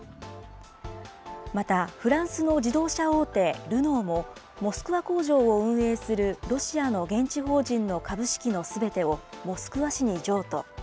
またフランスの自動車大手、ルノーも、モスクワ工場を運営するロシアの現地法人の株式のすべてをモスクワ市に譲渡。